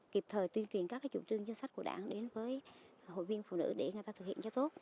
kịp thời tuyên truyền các chủ trương chính sách của đảng đến với hội viên phụ nữ để người ta thực hiện cho tốt